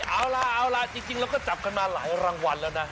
เอาล่ะเอาล่ะจริงเราก็จับกันมาหลายรางวัลแล้วนะ